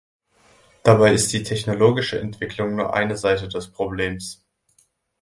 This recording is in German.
Dabei ist die technologische Entwicklung nur eine Seite des Problems.